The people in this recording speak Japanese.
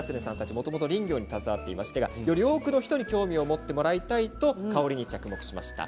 もともと林業に携わっていましたがより多くの人に興味を持ってもらいたいと香りに着目しました。